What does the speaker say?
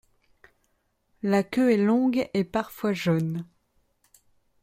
La queue est longue et parfois jaune.